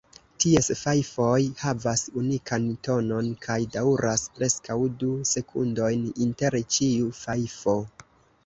Ties fajfoj havas unikan tonon kaj daŭras preskaŭ du sekundojn inter ĉiu fajfo.